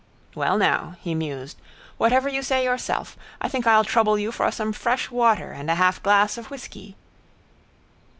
—Well now, he mused, whatever you say yourself. I think I'll trouble you for some fresh water and a half glass of whisky.